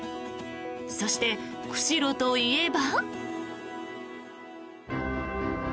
そして、釧路といえば。